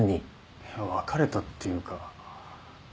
いや別れたっていうか。